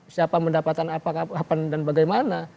siapa mendapatkan apa kapan dan bagaimana